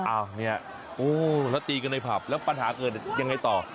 อ้าวเนี่ยโอ้แล้วตีกันในผับแล้วปัญหาเกิดยังไงต่อ